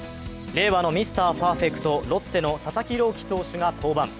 令和のミスターパーフェクト、ロッテの佐々木朗希投手が登板。